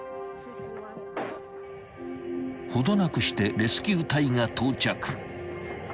［程なくしてレスキュー隊が到着］